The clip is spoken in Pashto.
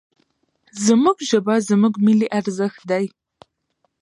زموږ ژبه، زموږ ملي ارزښت دی.